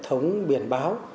hệ thống biển báo